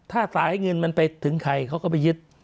ถ้าสายเงินมันไปถึงใครเขาก็ไปยึด